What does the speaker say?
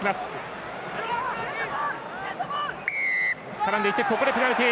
絡んでいってここでペナルティ。